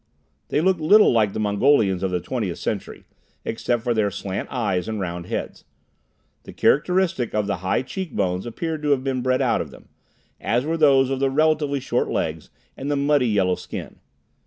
They looked little like the Mongolians of the Twentieth Century, except for their slant eyes and round heads. The characteristic of the high cheek bones appeared to have been bred out of them, as were those of the relatively short legs and the muddy yellow skin.